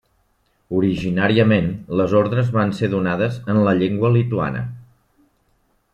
Originàriament, les ordres van ser donades en la llengua lituana.